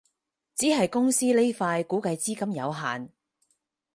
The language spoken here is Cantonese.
只係公司呢塊估計資金有限